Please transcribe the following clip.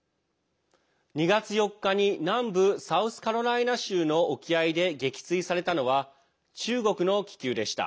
２月４日に南部サウスカロライナ州の沖合で撃墜されたのは中国の気球でした。